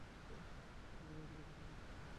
ওখানে বুঝি অধিকন্তু খাটে না?